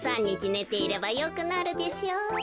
２３にちねていればよくなるでしょう。